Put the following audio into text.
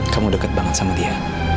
kamu deket banget sama dia